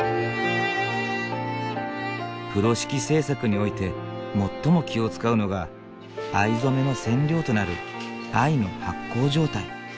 風呂敷製作において最も気を遣うのが藍染めの染料となる藍の発酵状態。